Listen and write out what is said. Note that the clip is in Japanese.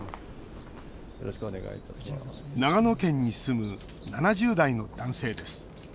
長野県に住む７０代の男性です。